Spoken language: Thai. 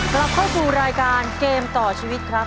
กลับเข้าสู่รายการเกมต่อชีวิตครับ